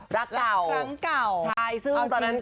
รักเก่ารักเก่าใช่ซึ่งตอนนั้นก็จริง